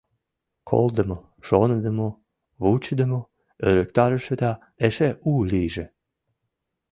Колдымо, шоныдымо, вучыдымо, ӧрыктарыше да эше у лийже.